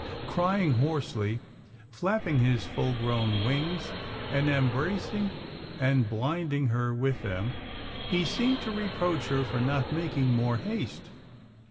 Crying hoarsely, flapping his full grown wings, and em bracing and blinding her with them, he seemed to reproach her for not making more haste.